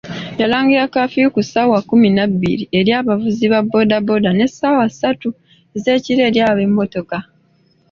Yalangirira kafiyu ku ssaawa kkumi na bbiri eri abavuzi ba boodabooda ne ssaawa ssatu ezeekiro eri ab’emmotoka.